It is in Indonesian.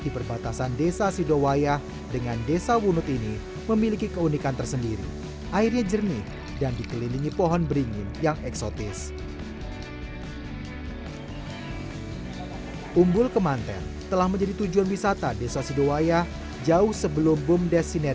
jika anda ingin mencoba silakan berlangganan link di kolom komentar